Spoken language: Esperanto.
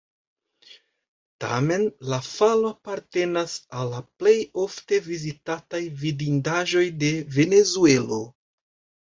Tamen la falo apartenas al la plej ofte vizitataj vidindaĵoj de Venezuelo.